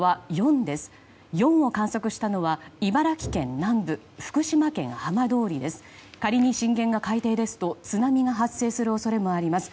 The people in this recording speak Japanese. ４を観測したのは茨城県南部福島県浜通りです。